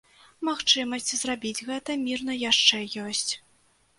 Магчымасць зрабіць гэта мірна яшчэ ёсць.